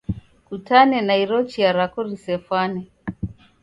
Kutane na iro chia rako risefwane.